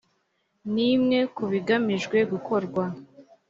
ni imwe ku bigamijwe gukorwa